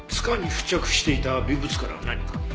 柄に付着していた微物からは何か？